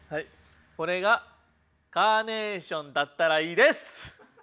これがカーネーションだったらいいです！